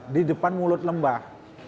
di depan mulut lembah